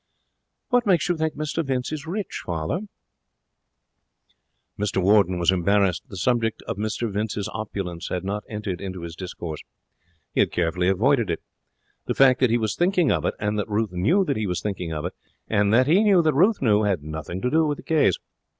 'What makes you think Mr Vince is rich, father?' she asked. Mr Warden was embarrassed. The subject of Mr Vince's opulence had not entered into his discourse. He had carefully avoided it. The fact that he was thinking of it and that Ruth knew that he was thinking of it, and that he knew that Ruth knew, had nothing to do with the case.